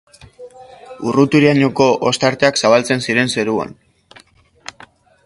Urrutirainoko ostarteak zabaltzen ziren zeruan.